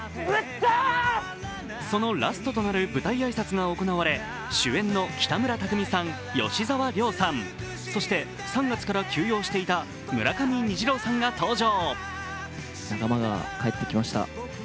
そのラストとなる舞台挨拶が行われ主演の北村匠海さん、吉沢亮さん、そして３月から休養していた村上虹郎さんが登場。